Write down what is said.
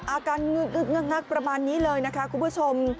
อาการงึกงักประมาณนี้เลยนะคะคุณผู้ชม